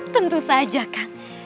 tentu saja kang